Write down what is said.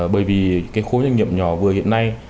bởi vì cái khối doanh nghiệp nhỏ vừa hiện nay